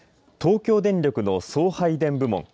東京電力の送配電部門